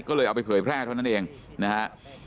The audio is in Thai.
ก็เลยเอาไปเผยแพร่เท่านั้นเองนะฮะ